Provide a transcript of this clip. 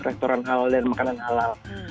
restoran halal dan makanan halal